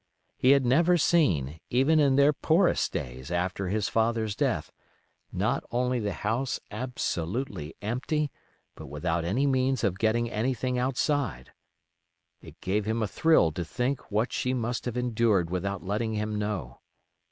He had never seen, even in their poorest days after his father's death, not only the house absolutely empty, but without any means of getting anything outside. It gave him a thrill to think what she must have endured without letting him know.